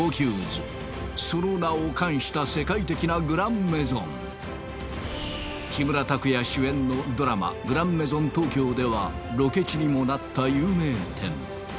その名を冠した世界的なグランメゾン木村拓哉主演のドラマグランメゾン東ロケ地にもなった有名店